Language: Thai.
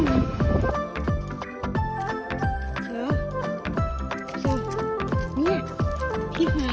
พี่ฮายหนูกินผักไหมไอ้พี่ฮายดูไหมอืม